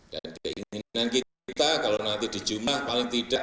dan keinginan kita kalau nanti di jumat